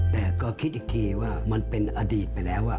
แต่ก็คิดอีกทีว่ามันเป็นอดีตไปแล้ว